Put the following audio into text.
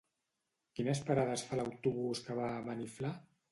Quines parades fa l'autobús que va a Beniflà?